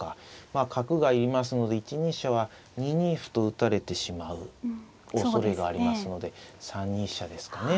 まあ角がいますので１二飛車は２二歩と打たれてしまうおそれがありますので３二飛車ですかね。